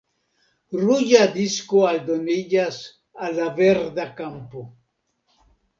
Ruĝa disko aldoniĝas al la verda kampo.